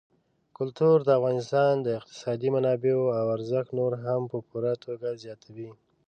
کلتور د افغانستان د اقتصادي منابعو ارزښت نور هم په پوره توګه زیاتوي.